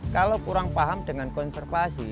kalau kurang paham dengan konservasi